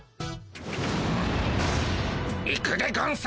行くでゴンス！